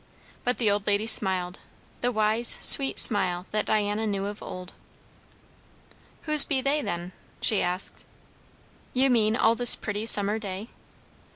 But the old lady smiled; the wise, sweet smile that Diana knew of old. "Whose be they, then?" she asked. "You mean, all this pretty summer day?"